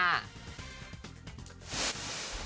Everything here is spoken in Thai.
สีชั้ยมาก